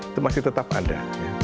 itu masih tetap ada